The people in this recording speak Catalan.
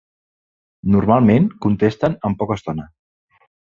Normalment contesten en poca estona.